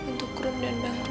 nah terus panjang